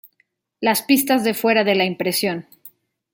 Las pistas de fuera de la impresión.